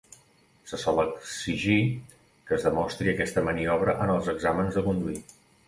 Se sol exigir que es demostri aquesta maniobra en els exàmens de conduir.